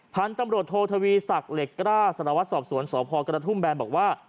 พันธุ์ตำรวจโททวีศักดิ์เหล็กกล้าสารวัตรสอบสวนสพกระทุ่มแบนบอกว่า